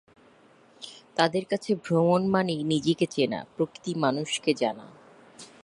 তাঁদের কাছে ভ্রমণ মানেই নিজেকে চেনা, প্রকৃতি মানুষকে জানা।